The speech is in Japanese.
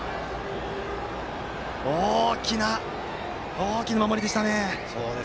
大きな守りでしたね。